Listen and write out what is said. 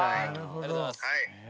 ありがとうございます